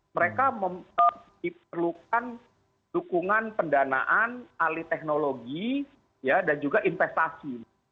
mereka diperlukan dukungan pendanaan alih teknologi dan juga investasi